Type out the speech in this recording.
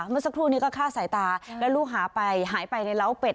เมื่อสักครู่นี้ก็ฆ่าสายตาแล้วลูกหายไปหายไปในร้าวเป็ด